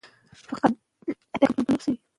دا پاڅون د ازادۍ غوښتنې یو مهم مثال دی.